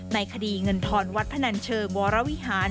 ในคดีเงินทอนวัดพนันเชิงวรวิหาร